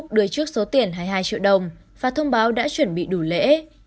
đưa trước số tiền hai mươi hai triệu đồng và thông báo đã chuẩn bị đủ lễ